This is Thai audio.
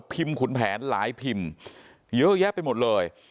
ขุนแผนหลายพิมพ์เยอะแยะไปหมดเลย